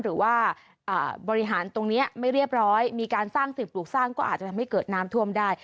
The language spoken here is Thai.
หรือว่าบริหารตรงนี้ไม่เรียบร้อยมีการสร้างสิ่งปลูกสร้างก็อาจจะทำให้เกิดน้ำท่วมได้